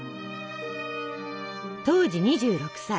当時２６歳。